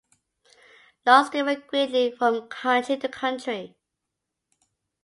Laws differ greatly from country to country.